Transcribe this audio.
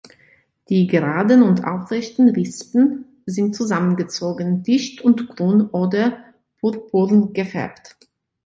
Die geraden und aufrechten Rispen sind zusammengezogen, dicht und grün oder purpurn gefärbt.